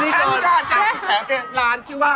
นี้จะร้านที่ว่า